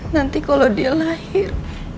nanti kalo dia lahir